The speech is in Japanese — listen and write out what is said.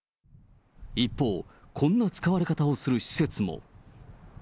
一方、こんな使われ方をする施設も。